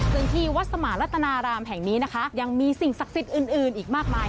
ซึ่งที่วัดสมารัตนารามแห่งนี้นะคะยังมีสิ่งศักดิ์สิทธิ์อื่นอีกมากมาย